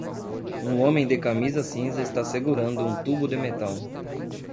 Um homem de camisa cinza está segurando um tubo de metal.